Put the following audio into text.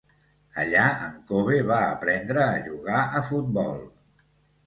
Allà en Kobe va aprendre a jugar a futbol.